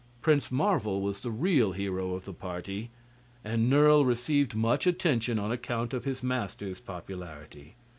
Prince Marvel was the real hero of the party, and Nerle received much attention on account of his master's popularity.